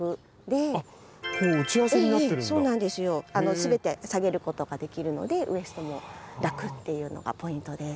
全て下げることができるのでウエストも楽っていうのがポイントです。